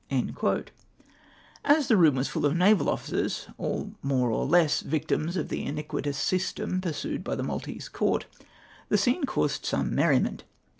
As the room was full of naval officers, all more or less victims of the iniquitous system pursued by the Maltese Court, the scene caused some merriment.